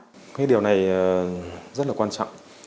cái điều này rất là quan trọng